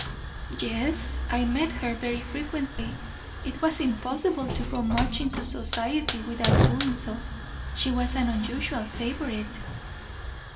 "Yes, I met her very frequently; it was impossible to go much into society without doing so she was an unusual favorite."